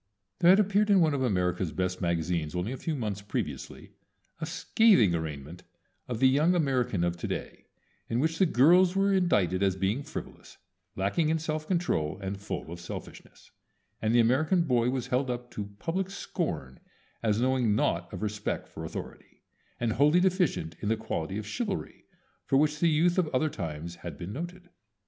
There had appeared in one of America's best magazines only a few months previously a scathing arraignment of the young American of To day, in which the girls were indicted as being frivolous, lacking in self control, and full of selfishness, and the American boy was held up to public scorn as knowing naught of respect for authority, and wholly deficient in the quality of chivalry for which the youth of other times had been noted.